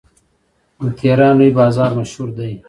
د تهران لوی بازار مشهور دی.